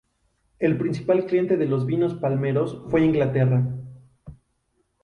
El principal cliente de los vinos palmeros fue Inglaterra.